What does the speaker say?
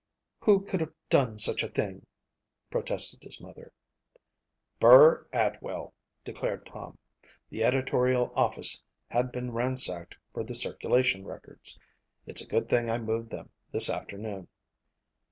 "Who could have done such a thing?" protested his mother. "Burr Atwell," declared Tom. "The editorial office had been ransacked for the circulation records. It's a good thing I moved them this afternoon."